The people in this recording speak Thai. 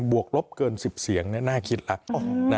วกลบเกิน๑๐เสียงน่าคิดแล้ว